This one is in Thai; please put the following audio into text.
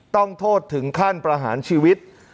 ต้องโทษถึงขั้นประหารชีวิต